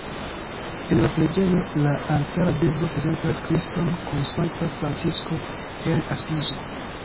En la preĝejo la altara bildo prezentas Kriston kun Sankta Francisko el Asizo.